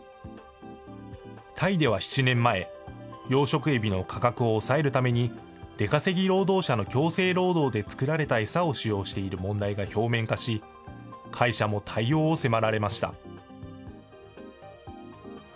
タイでは７年前、養殖エビの価格を抑えるために、出稼ぎ労働者の強制労働で作られた餌を使用している問題が表面化し、会社も対応を迫られました。